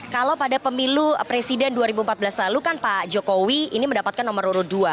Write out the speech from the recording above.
kalau pada pemilu presiden dua ribu empat belas lalu kan pak jokowi ini mendapatkan nomor urut dua